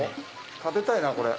食べたいなこれ。